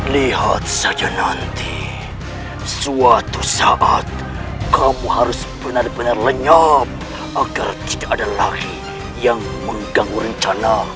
lihat saja nanti suatu saat kamu harus benar benar lenyap agar tidak ada lari yang mengganggu rencana